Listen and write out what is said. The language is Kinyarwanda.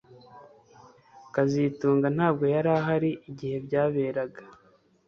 kazitunga ntabwo yari ahari igihe byaberaga